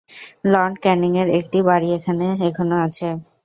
Lord ক্যানিং-এর একটি বাড়ি এখানে এখনও আছে।